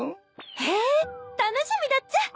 へぇ楽しみだっちゃ。